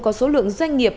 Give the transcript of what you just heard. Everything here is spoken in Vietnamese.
có số lượng doanh nghiệp